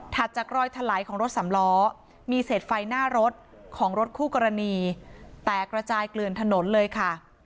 จากรอยถลายของรถสำล้อมีเศษไฟหน้ารถของรถคู่กรณีแตกระจายเกลือนถนนเลยค่ะ